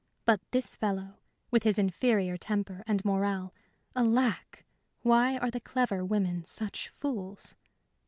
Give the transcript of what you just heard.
But this fellow with his inferior temper and morale alack! why are the clever women such fools?